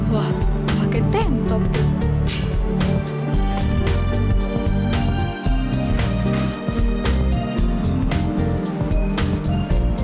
wah pake tengkop tuh